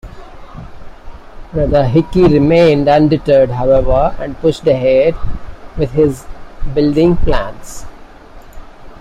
Br Hickey remained undeterred however and pushed ahead with his building plans.